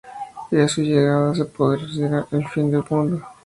Y a su llegada se producirá el fin del mundo.